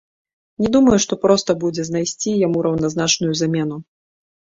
Не думаю, што проста будзе знайсці яму раўназначную замену.